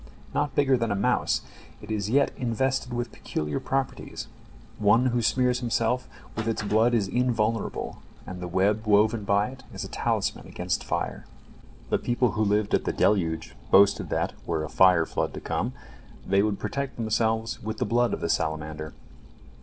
Not bigger than a mouse, it yet is invested with peculiar properties. One who smears himself with its blood is invulnerable, and the web woven by it is a talisman against fire. The people who lived at the deluge boasted that, were a fire flood to come, they would protect themselves with the blood of the salamander.